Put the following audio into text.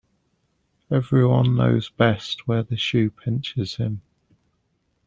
Every one knows best where the shoe pinches him.